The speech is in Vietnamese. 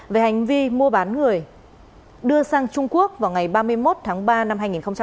về hành vi mua bán người đưa sang trung quốc vào ngày ba mươi một tháng ba năm hai nghìn hai mươi